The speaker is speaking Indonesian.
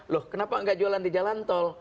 loh kenapa nggak jualan di jalan tol